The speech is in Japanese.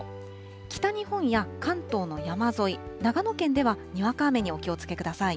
北日本や関東の山沿い、長野県ではにわか雨にお気をつけください。